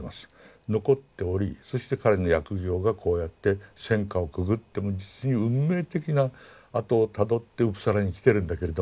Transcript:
残っておりそして彼の訳業がこうやって戦禍をくぐって実に運命的な跡をたどってウプサラに来てるんだけれども。